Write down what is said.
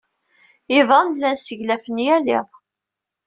Iḍan llan sseglafen yal iḍ.